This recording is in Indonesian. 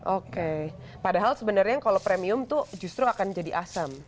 oke padahal sebenarnya kalau premium itu justru akan jadi asam